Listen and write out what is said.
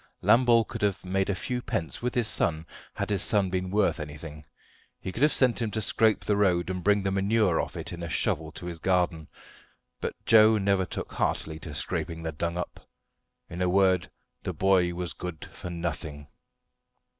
Lambole could have made a few pence with his son had his son been worth anything. He could have sent him to scrape the road, and bring the manure off it in a shovel to his garden. But Joe never took heartily to scraping the dung up. In a word, the boy was good for nothing.